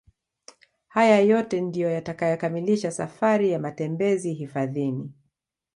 Haya yote ndio yatakayokamilisha safari ya matembezi hifadhini